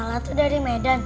salah tuh dari medan